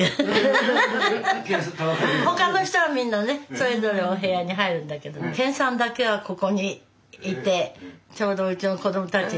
他の人はみんなねそれぞれお部屋に入るんだけど健さんだけはここにいてちょうどうちの子供たち